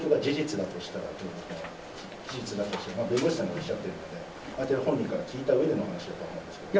事実だとして、弁護士さんがおっしゃってるので、本人から聞いたうえでの話だと思いますが。